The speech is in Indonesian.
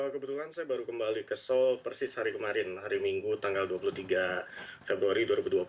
kebetulan saya baru kembali ke seoul persis hari kemarin hari minggu tanggal dua puluh tiga februari dua ribu dua puluh